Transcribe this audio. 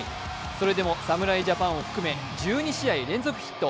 それでも侍ジャパンを含め１２試合連続ヒット。